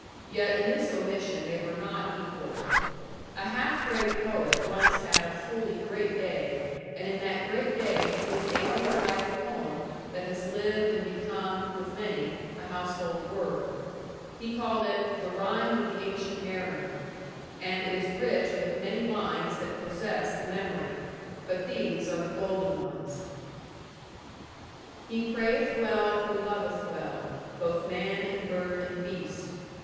Yet in this omission they were not equal. A half great poet once had a wholly great day, and in that great day he was able to write a poem that has lived and become, with many, a household word. He called it The Rime of the Ancient Mariner. And it is rich with many lines that possess the memory; but these are the golden ones: "He prayeth well who loveth well Both man and bird and beast.